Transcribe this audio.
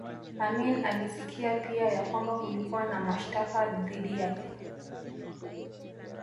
Amin alisikia pia ya kwamba kulikuwa na mashtaka dhidi yake